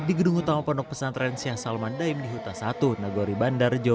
di gedung utama pondok pesantren syah salman daim di huta satu nagori bandar jawa